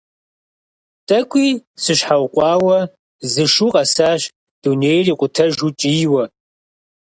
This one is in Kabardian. ТӀэкӀуи сыщхьэукъуауэ, зы шу къэсащ дунейр икъутэжу кӀийуэ.